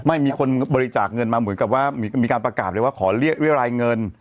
ไม่มีคนบริจาคเงินมีการประกาศว่าขอยักษ์เรียรายเงิน